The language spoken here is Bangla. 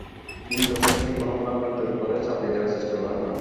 তিনি দর্শককে কোনো ভাবনা জোর করে চাপিয়ে দেওয়ার চেষ্টা করেন না।